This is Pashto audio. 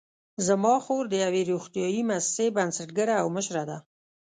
زما خور د یوې روغتیايي مؤسسې بنسټګره او مشره ده